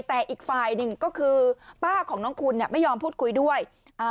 แต่อีกฝ่ายหนึ่งก็คือป้าของน้องคุณเนี่ยไม่ยอมพูดคุยด้วย